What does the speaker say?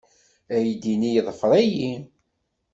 Aydi-nni yeḍfer-iyi.